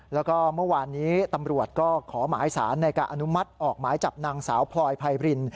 แล้วก็เมื่อวานนี้ตำรวจก็ขอหมายสารในการอนุมัติออกหมายจับนางสาวพลอยไพบริน